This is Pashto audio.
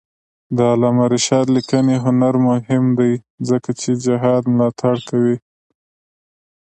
د علامه رشاد لیکنی هنر مهم دی ځکه چې جهاد ملاتړ کوي.